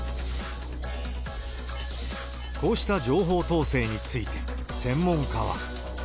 こうした情報統制について、専門家は。